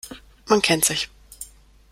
Man kennt sich.